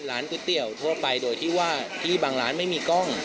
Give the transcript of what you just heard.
ก๋วยเตี๋ยวทั่วไปโดยที่ว่าที่บางร้านไม่มีกล้อง